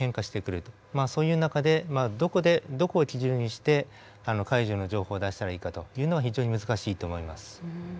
そういう中でどこを基準にして解除の情報を出したらいいかというのは非常に難しいと思います。